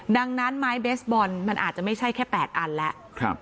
ดังนั้นไม้เบสบอลมันอาจจะไม่ใช่แค่๘อันแล้ว